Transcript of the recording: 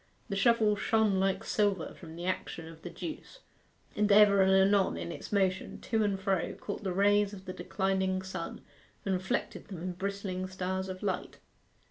The shovel shone like silver from the action of the juice, and ever and anon, in its motion to and fro, caught the rays of the declining sun and reflected them in bristling stars of light.